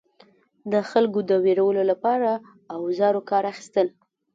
د خلکو د ویرولو لپاره اوزارو کار اخیستل.